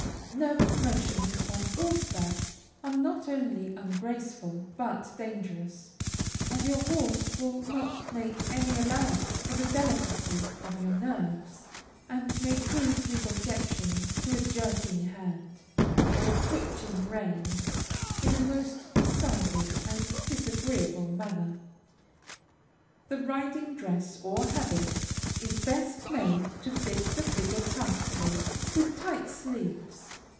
Nervous motions on horseback are not only ungraceful, but dangerous, as your horse will not make any allowance for the delicacy of your nerves, and may prove his objections to a jerking hand, or a twitching rein, in a most decided and disagreeable manner. The riding dress, or habit, is best made to fit the figure tightly, with tight sleeves.